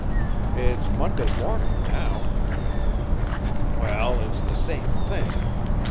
"It's Monday morning, now." "Well, it's the same thing.